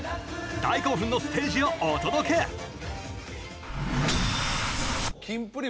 大興奮のステージをお届けキンプリ